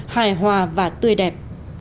hài hòa và tươi đẹp